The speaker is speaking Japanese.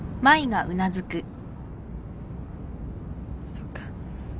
そっか。